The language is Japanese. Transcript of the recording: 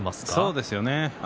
そうですね。